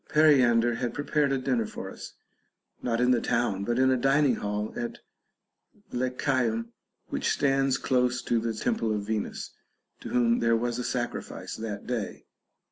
Periander had prepared a dinner for us, not in the town, but in a dining hall at Lechaeum which stands close to the temple of Venus, to whom there was a sacrifice that day.